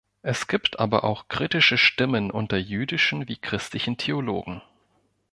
Es gibt aber auch kritische Stimmen unter jüdischen wie christlichen Theologen.